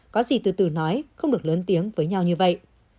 có gì từ từ nói không được lớn tiếng với nhau như vậy